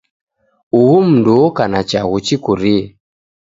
Uhu mundu oka na chaghu chikurie.